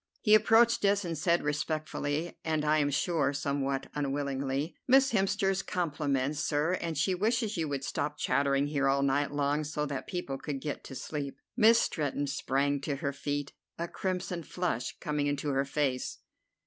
He approached us, and said respectfully, and I am sure somewhat unwillingly: "Miss Hemster's compliments, sir, and she wishes you would stop chattering here all night long, so that people could get to sleep." Miss Stretton sprang to her feet, a crimson flush coming into her face.